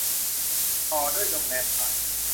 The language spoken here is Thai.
ต่อด้วยโรงแรมผ่าน